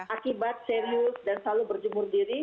akibat serius dan selalu berjemur diri